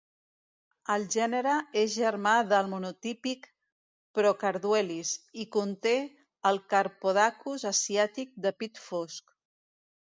El gènere és germà del monotípic "Procarduelis" i conté el carpodacus asiàtic de pit fosc.